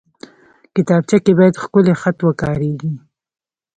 کتابچه کې باید ښکلی خط وکارېږي